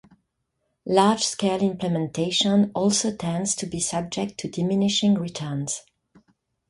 Large-scale implementation also tends to be subject to diminishing returns.